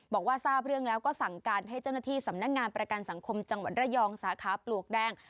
บอกว่าทราบเรื่องแล้วก็สั่งการให้เจ้าหน้าที่สำนักงานประกันสังคมจังหวัดระยองสาขาปลวกแดง